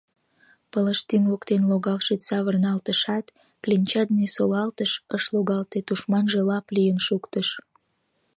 Пылыштӱҥ воктен логалшет савырналтышат, кленча дене солалтыш — ыш логалте, тушманже лап лийын шуктыш.